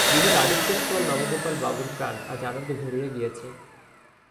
গৃহীর আদর্শস্থল নবগোপাল বাবুর প্রাণ আজ আনন্দে ভরিয়া গিয়াছে।